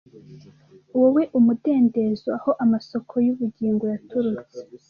Wowe, Umudendezo, aho amasoko y'ubugingo yaturutse;